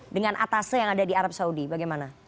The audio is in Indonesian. dengan atasnya yang ada di arab saudi bagaimana